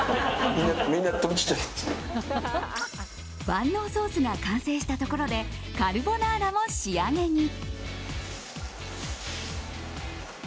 万能ソースが完成したところでカルボナーラも仕上げに。